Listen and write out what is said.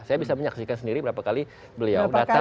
saya bisa menyaksikan sendiri berapa kali beliau datang